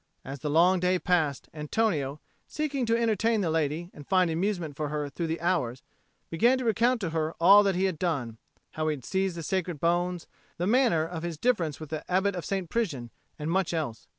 As the long day passed, Antonio, seeking to entertain the lady and find amusement for her through the hours, began to recount to her all that he had done, how he had seized the Sacred Bones, the manner of his difference with the Abbot of St. Prisian, and much else.